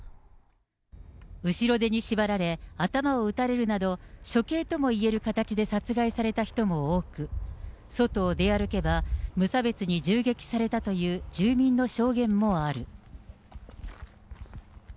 後ろ手に縛られ、頭を撃たれるなど、処刑ともいえる形で殺害された人も多く、外を出歩けば、無差別に銃撃されたという住民の証言もある。